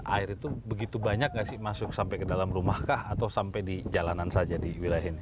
air itu begitu banyak nggak sih masuk sampai ke dalam rumah kah atau sampai di jalanan saja di wilayah ini